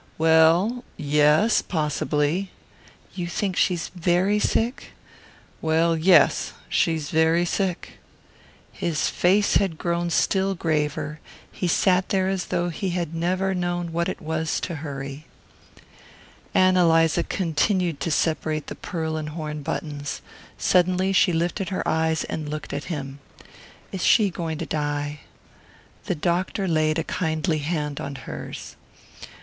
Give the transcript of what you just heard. "Well, yes possibly." "You think she's very sick?" "Well, yes. She's very sick." His face had grown still graver; he sat there as though he had never known what it was to hurry. Ann Eliza continued to separate the pearl and horn buttons. Suddenly she lifted her eyes and looked at him. "Is she going to die?" The doctor laid a kindly hand on hers.